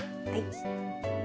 はい。